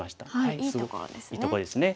いいところですね。